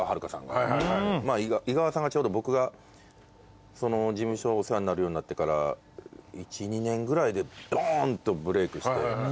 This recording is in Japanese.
井川さんがちょうど僕がその事務所お世話になるようになってから１２年ぐらいでドーンとブレークして。